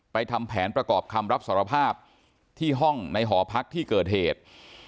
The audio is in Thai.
ทำแผนประกอบคำรับสารภาพที่ห้องในหอพักที่เกิดเหตุ